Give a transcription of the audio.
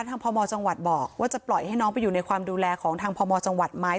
เพราะว่าทางพมจบอกว่าจะปล่อยให้น้องไปอยู่ในความดูแลของทางพมจไหม